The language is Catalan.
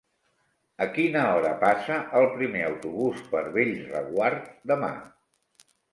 A quina hora passa el primer autobús per Bellreguard demà?